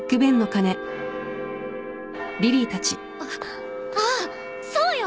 あっああそうよ！